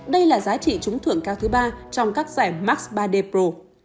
đây là giá trị trúng thưởng cao thứ ba trong các giải max ba d pro